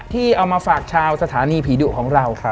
ที่เอามาฝากชาวสถานีผีดุของเรา